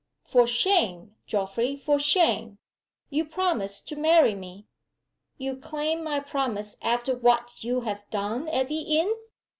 "For shame, Geoffrey! for shame! Your promise to marry me." "You claim my promise after what you have done at the inn?"